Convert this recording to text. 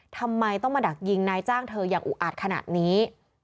ทำไมต้องมาดักยิงนายจ้างเธออย่างอุอาจขนาดนี้